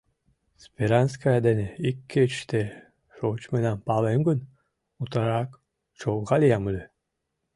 Сперанская дене ик кечыште шочмынам палем гын, утларак чолга лиям ыле.